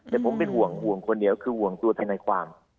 แต่ผมเป็นห่วงห่วงคนเดียวคือห่วงตัวทนายความ